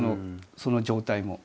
その状態も。